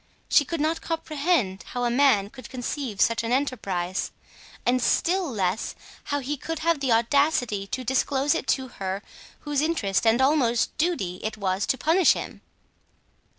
She could not comprehend how a man could conceive such an enterprise and still less how he could have the audacity to disclose it to her whose interest and almost duty it was to punish him.